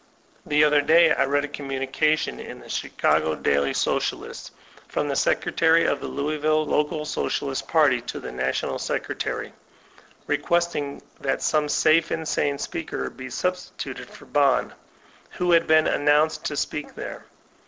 The other day I read a co mmun ication in the Chicago DaOy Socialisi from the secretary of the Louisville local, Socialist Pftrty, to the national secretary, requesting that some safe and sane speaker be substituted for Bohn, wbo bad been announced to speak there.